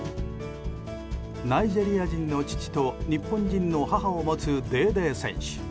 ナイジェリア人の父と日本人の母を持つデーデー選手。